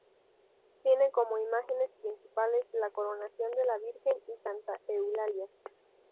Tiene como imágenes principales la coronación de la Virgen y Santa Eulalia.